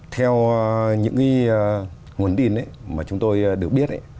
theo những nguồn tin mà chúng tôi được biết